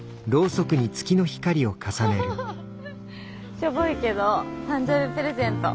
しょぼいけど誕生日プレゼント。